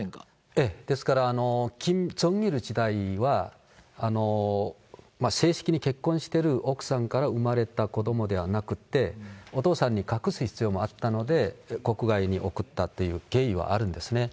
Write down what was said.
ええ、ですからキム・ジョンイル時代は正式に結婚してる奥さんから産まれた子どもではなくて、お父さんに隠す必要もあったので、国外に送ったっていう経緯はあるんですね。